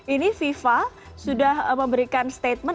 ini fifa sudah memberikan statement